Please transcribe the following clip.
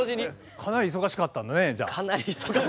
かなり忙しかったですね。